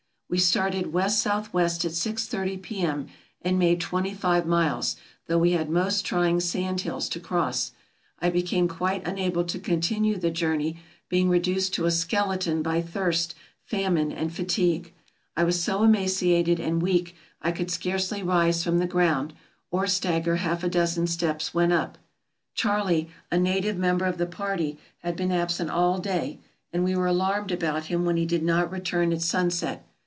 We started west south west at six thirty P.M., and made twenty five miles, though we had most trying sand hills to cross. I became quite unable to continue the journey, being reduced to a skeleton by thirst, 426 MISCELLANEOUS 427 famine, and fatigue. I was so emaciated and weak I could scarcely rise from the ground, or stagger half a dozen steps when up. Charley, a native member of the party, had been absent all day, and we were alarmed about him when he did not return at sunset.